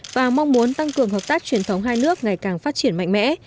và mong muốn tăng cường hợp tác truyền thống hai nước ngày càng phát triển mạnh mẽ